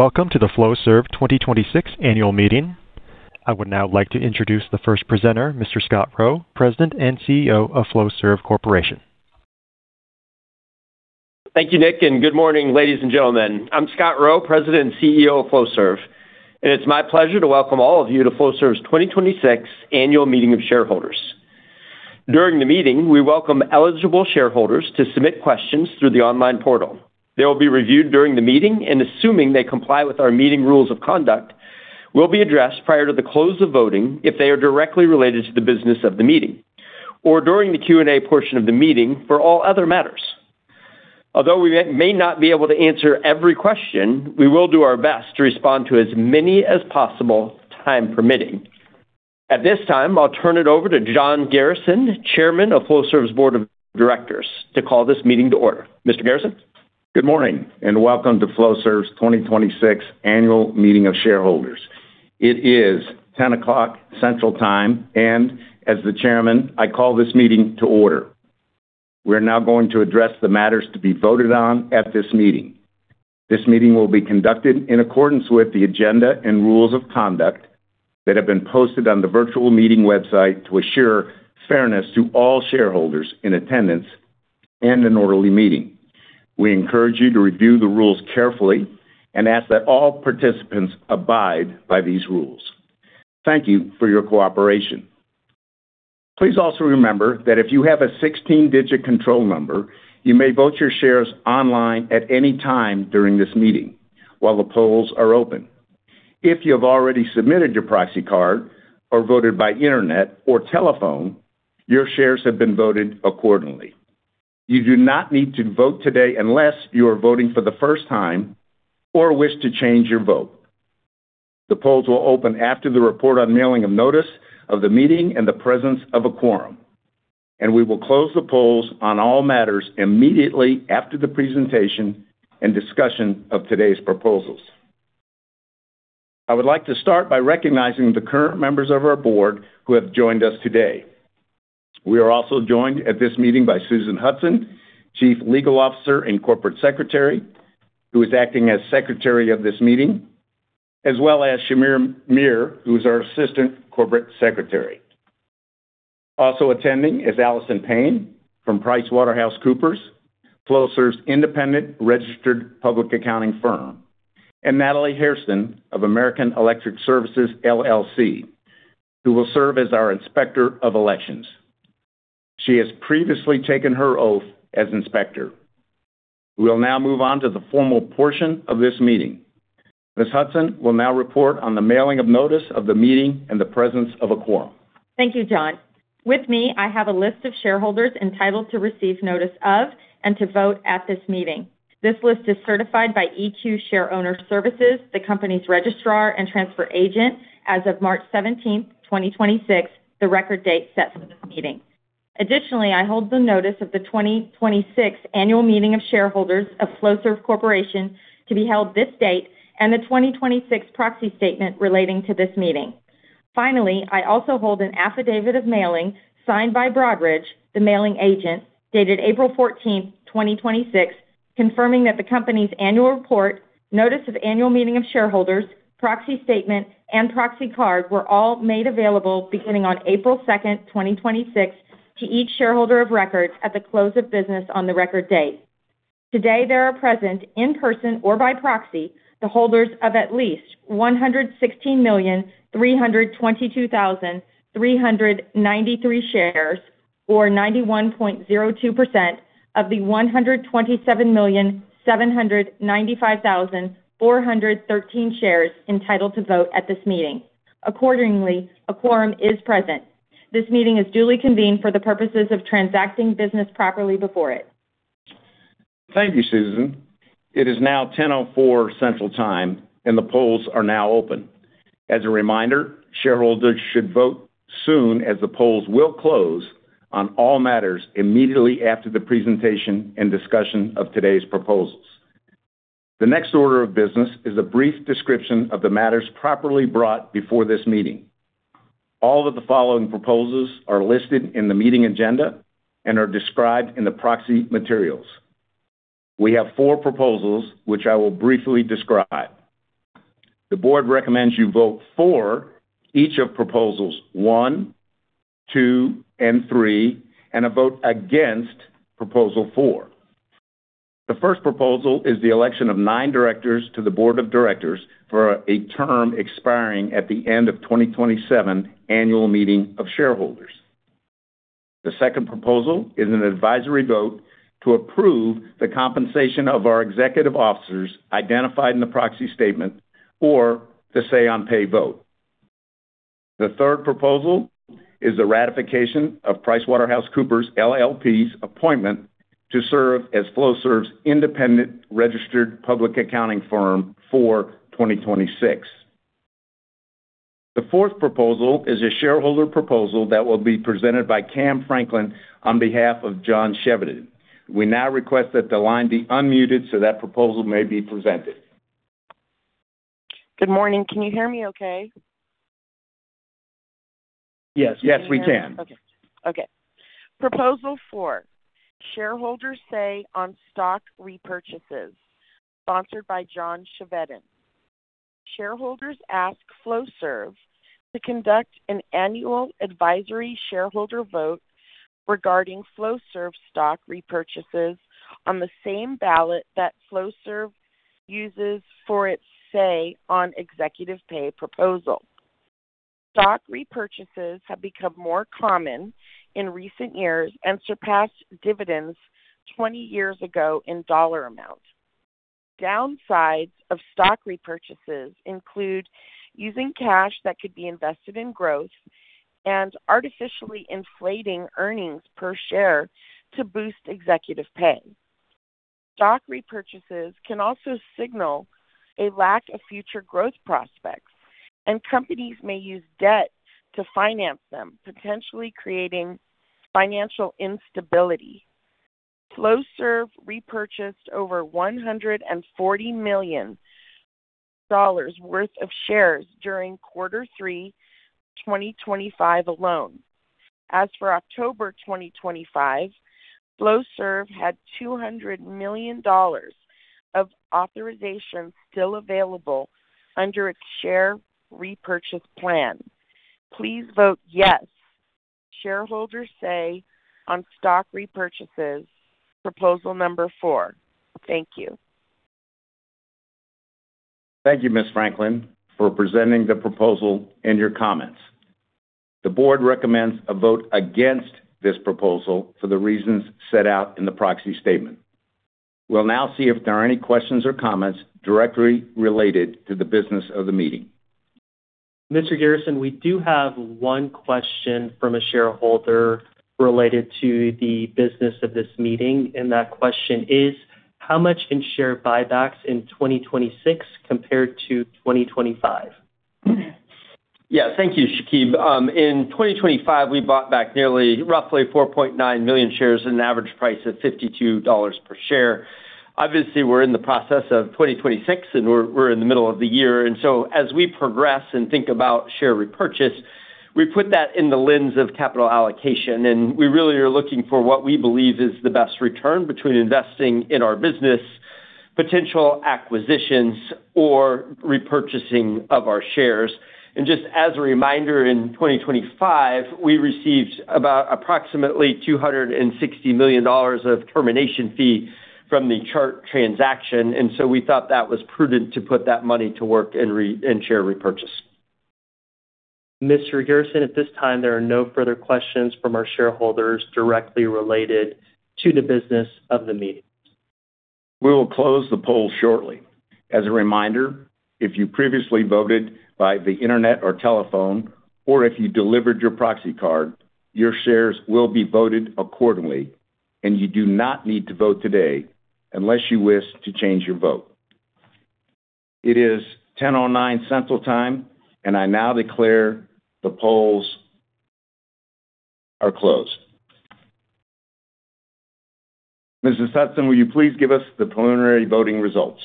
Welcome to the Flowserve 2026 annual meeting. I would now like to introduce the first presenter, Mr. Scott Rowe, President and CEO of Flowserve Corporation. Thank you, Nick, and good morning, ladies and gentlemen. I'm Scott Rowe, President and CEO of Flowserve. It's my pleasure to welcome all of you to Flowserve's 2026 Annual Meeting of Shareholders. During the meeting, we welcome eligible shareholders to submit questions through the online portal. They will be reviewed during the meeting and, assuming they comply with our meeting rules of conduct, will be addressed prior to the close of voting if they are directly related to the business of the meeting or during the Q&A portion of the meeting for all other matters. Although we may not be able to answer every question, we will do our best to respond to as many as possible, time permitting. At this time, I'll turn it over to John Garrison, Chairman of Flowserve's Board of Directors, to call this meeting to order. Mr. Garrison? Good morning, welcome to Flowserve's 2026 Annual Meeting of Shareholders. It is 10:00 A.M. Central Time, as the chairman, I call this meeting to order. We are now going to address the matters to be voted on at this meeting. This meeting will be conducted in accordance with the agenda and rules of conduct that have been posted on the virtual meeting website to assure fairness to all shareholders in attendance and an orderly meeting. We encourage you to review the rules carefully and ask that all participants abide by these rules. Thank you for your cooperation. Please also remember that if you have a 16-digit control number, you may vote your shares online at any time during this meeting while the polls are open. If you have already submitted your proxy card or voted by internet or telephone, your shares have been voted accordingly. You do not need to vote today unless you are voting for the first time or wish to change your vote. The polls will open after the report on mailing of notice of the meeting and the presence of a quorum. We will close the polls on all matters immediately after the presentation and discussion of today's proposals. I would like to start by recognizing the current members of our board who have joined us today. We are also joined at this meeting by Susan Hudson, Chief Legal Officer and Corporate Secretary, who is acting as Secretary of this meeting, as well as Shamir Myr, who is our Assistant Corporate Secretary. Also attending is Allison Payne from PricewaterhouseCoopers, Flowserve's independent registered public accounting firm. Natalie Hairston of American Election Services, LLC, who will serve as our Inspector of Elections. She has previously taken her oath as Inspector. We will now move on to the formal portion of this meeting. Ms. Hudson will now report on the mailing of notice of the meeting and the presence of a quorum. Thank you, John. With me, I have a list of shareholders entitled to receive notice of and to vote at this meeting. This list is certified by EQ Shareowner Services, the company's registrar and transfer agent as of March 17th, 2026, the record date set for this meeting. Additionally, I hold the notice of the 2026 Annual Meeting of Shareholders of Flowserve Corporation to be held this date and the 2026 proxy statement relating to this meeting. Finally, I also hold an affidavit of mailing signed by Broadridge, the mailing agent, dated April 14th, 2026, confirming that the company's annual report, notice of annual meeting of shareholders, proxy statement, and proxy card were all made available beginning on April 2nd, 2026 to each shareholder of record at the close of business on the record date. Today, there are present in person or by proxy the holders of at least 116,322,393 shares or 91.02% of the 127,795,413 shares entitled to vote at this meeting. Accordingly, a quorum is present. This meeting is duly convened for the purposes of transacting business properly before it. Thank you, Susan. It is now 10:04 A.M. Central Time, and the polls are now open. As a reminder, shareholders should vote soon as the polls will close on all matters immediately after the presentation and discussion of today's proposals. The next order of business is a brief description of the matters properly brought before this meeting. All of the following proposals are listed in the meeting agenda and are described in the proxy materials. We have four proposals which I will briefly describe. The board recommends you vote for each of proposals one, two, and three and a vote against proposal four. The first proposal is the election of nine directors to the board of directors for a term expiring at the end of 2027 annual meeting of shareholders. The second proposal is an advisory vote to approve the compensation of our executive officers identified in the proxy statement or the say on pay vote. The third proposal is the ratification of PricewaterhouseCoopers LLP's appointment to serve as Flowserve's independent registered public accounting firm for 2026. The fourth proposal is a shareholder proposal that will be presented by Cam Franklin on behalf of John Chevedden. We now request that the line be unmuted so that proposal may be presented. Good morning. Can you hear me okay? Yes. Yes, we can. Okay. Proposal Four, shareholders say on stock repurchases, sponsored by John Chevedden. Shareholders ask Flowserve to conduct an annual advisory shareholder vote regarding Flowserve stock repurchases on the same ballot that Flowserve uses for its say on executive pay proposal. Stock repurchases have become more common in recent years and surpassed dividends 20 years ago in dollar amount. Downsides of stock repurchases include using cash that could be invested in growth and artificially inflating earnings per share to boost executive pay. Stock repurchases can also signal a lack of future growth prospects, and companies may use debt to finance them, potentially creating financial instability. Flowserve repurchased over $140 million worth of shares during Q3 2025 alone. As for October 2025, Flowserve had $200 million of authorization still available under its share repurchase plan. Please vote yes. Shareholders say on stock repurchases, proposal number four. Thank you. Thank you, Ms. Franklin, for presenting the proposal and your comments. The board recommends a vote against this proposal for the reasons set out in the proxy statement. We'll now see if there are any questions or comments directly related to the business of the meeting. Mr. Garrison, we do have one question from a shareholder related to the business of this meeting, and that question is how much in share buybacks in 2026 compared to 2025? Yeah. Thank you, Shakeeb. In 2025, we bought back nearly roughly 4.9 million shares at an average price of $52 per share. Obviously, we're in the process of 2026, and we're in the middle of the year. As we progress and think about share repurchase, we put that in the lens of capital allocation, and we really are looking for what we believe is the best return between investing in our business, potential acquisitions, or repurchasing of our shares. Just as a reminder, in 2025, we received about approximately $260 million of termination fee from the Chart transaction. We thought that was prudent to put that money to work in share repurchase. Mr. Garrison, at this time, there are no further questions from our shareholders directly related to the business of the meeting. We will close the poll shortly. As a reminder, if you previously voted by the internet or telephone, or if you delivered your proxy card, your shares will be voted accordingly, and you do not need to vote today unless you wish to change your vote. It is 10:09 A.M. Central Time, and I now declare the polls are closed. Mrs. Hudson, will you please give us the preliminary voting results?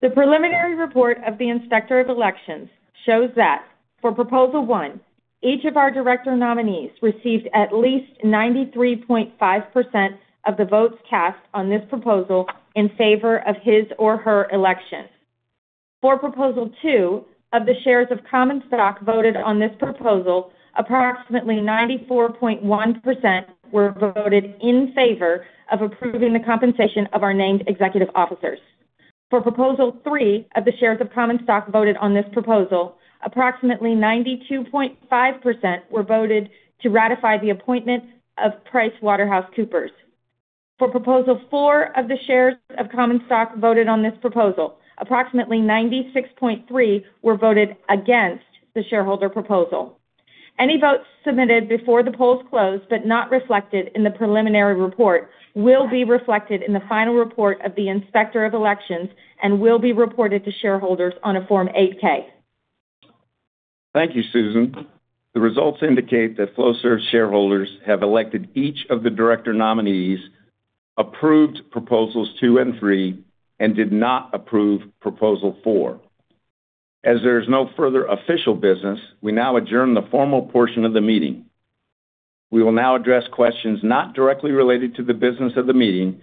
The preliminary report of the Inspector of Elections shows that for Proposal One, each of our director nominees received at least 93.5% of the votes cast on this proposal in favor of his or her election. For Proposal Two, of the shares of common stock voted on this proposal, approximately 94.1% were voted in favor of approving the compensation of our named executive officers. For Proposal Three, of the shares of common stock voted on this proposal, approximately 92.5% were voted to ratify the appointment of PricewaterhouseCoopers. For Proposal Four of the shares of common stock voted on this proposal, approximately 96.3% were voted against the shareholder proposal. Any votes submitted before the polls closed but not reflected in the preliminary report will be reflected in the final report of the Inspector of Elections and will be reported to shareholders on a Form 8-K. Thank you, Susan. The results indicate that Flowserve shareholders have elected each of the director nominees, approved Proposals Two and Three, and did not approve Proposal Four. As there is no further official business, we now adjourn the formal portion of the meeting. We will now address questions not directly related to the business of the meeting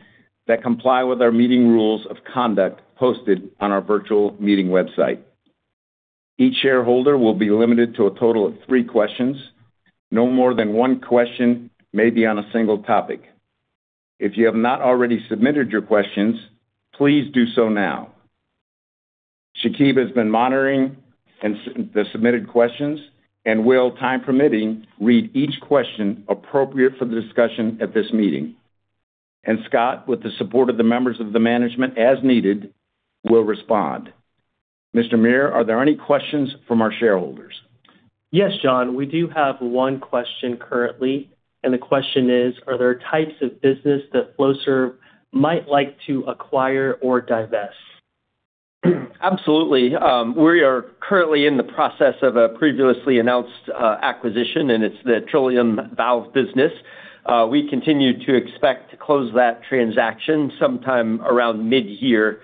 that comply with our meeting rules of conduct posted on our virtual meeting website. Each shareholder will be limited to a total of three questions. No more than one question may be on a single topic. If you have not already submitted your questions, please do so now. Shakeeb has been monitoring the submitted questions and will, time permitting, read each question appropriate for the discussion at this meeting. Scott, with the support of the members of the management as needed, will respond. Mr. Meyer, are there any questions from our shareholders? Yes, John. We do have one question currently, and the question is: Are there types of business that Flowserve might like to acquire or divest? Absolutely. We are currently in the process of a previously announced, acquisition, and it's the Trillium Valve business. We continue to expect to close that transaction sometime around mid-year.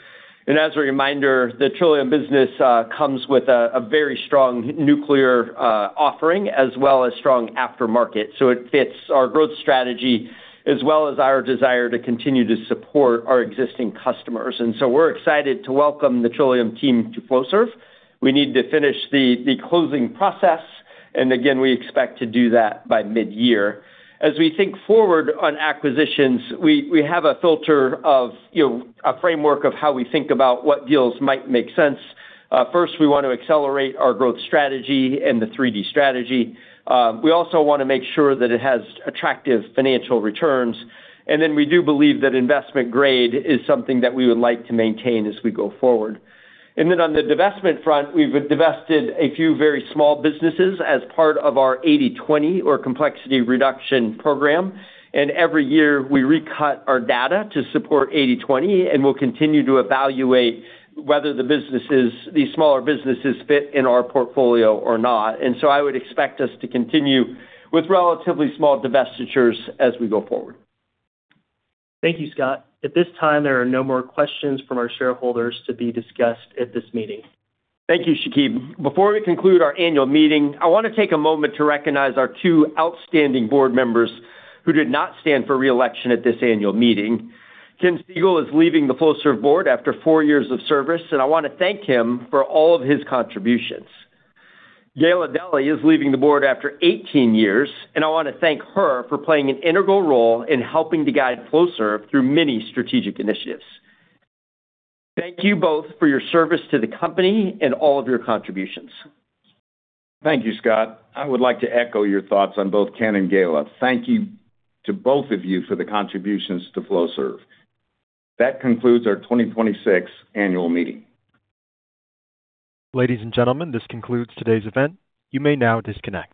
As a reminder, the Trillium business comes with a very strong nuclear offering as well as strong aftermarket. It fits our growth strategy as well as our desire to continue to support our existing customers. We're excited to welcome the Trillium team to Flowserve. We need to finish the closing process, and again, we expect to do that by mid-year. As we think forward on acquisitions, we have a filter of, you know, a framework of how we think about what deals might make sense. First, we want to accelerate our growth strategy and the 3D strategy. We also wanna make sure that it has attractive financial returns. We do believe that investment grade is something that we would like to maintain as we go forward. On the divestment front, we've divested a few very small businesses as part of our 80/20 or complexity reduction program. Every year, we recut our data to support 80/20, and we'll continue to evaluate whether the businesses, these smaller businesses fit in our portfolio or not. I would expect us to continue with relatively small divestitures as we go forward. Thank you, Scott. At this time, there are no more questions from our shareholders to be discussed at this meeting. Thank you, Shakeeb. Before we conclude our annual meeting, I wanna take a moment to recognize our two outstanding board members who did not stand for re-election at this annual meeting. Ken Siegel is leaving the Flowserve Board after four years of service, and I wanna thank him for all of his contributions. Gayla Delly is leaving the board after 18 years, and I wanna thank her for playing an integral role in helping to guide Flowserve through many strategic initiatives. Thank you both for your service to the company and all of your contributions. Thank you, Scott. I would like to echo your thoughts on both Ken and Gayla. Thank you to both of you for the contributions to Flowserve. That concludes our 2026 annual meeting. Ladies and gentlemen, this concludes today's event. You may now disconnect.